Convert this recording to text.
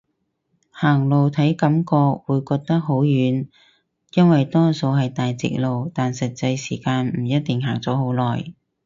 行路體感會覺得好遠，因為多數係大直路，但實際時間唔一定行咗好耐